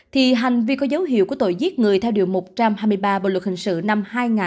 thì hành vi có dấu hiệu của tội giết người theo điều một trăm hai mươi ba bộ luật hình sự năm hai nghìn một mươi năm